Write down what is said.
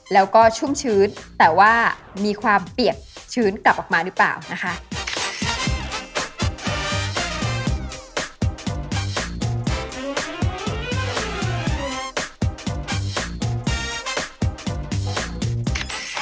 แล้วก็ช่วงชื้นแต่ว่ามีความเปียกชื้นกลับออกมาหรือเปล่านะคะ